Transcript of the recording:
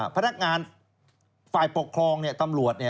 พนักงานฝ่ายปกครองตำรวจ